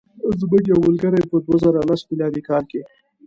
زموږ یو ملګری په دوه زره لسم میلادي کال.